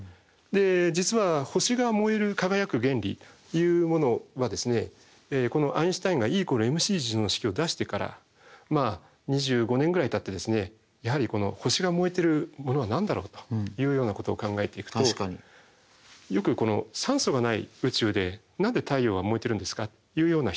実は星が燃える輝く原理というものはアインシュタインがＥ＝ｍｃの式を出してからまあ２５年ぐらいたってやはり星が燃えてるものは何だろうというようなことを考えていくとよく酸素がない宇宙で何で太陽が燃えてるんですかというような質問がですね。